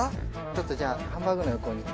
ちょっとじゃあハンバーグの横に。